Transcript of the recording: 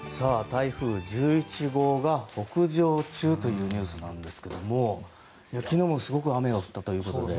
台風１１号が北上中というニュースですが昨日もすごく雨が降ったということで。